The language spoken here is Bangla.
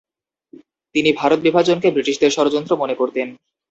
তিনি ভারত বিভাজনকে ব্রিটিশদের ষড়যন্ত্র মনে করতেন।